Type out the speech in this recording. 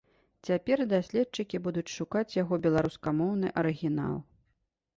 Цяпер даследчыкі будуць шукаць яго беларускамоўны арыгінал.